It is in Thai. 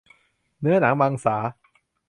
เนื้อหนังมังสา